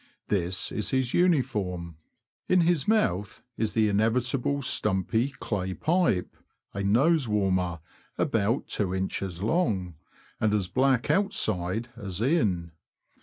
This is his uniform. In his mouth is the inevitable stumpy, clay pipe (a ''nose warmer"), about 2in. long, and as black outside as in.